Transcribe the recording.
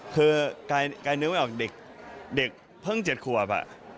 คือกายนึกไม่ออกเด็กเพิ่ง๗ขวบ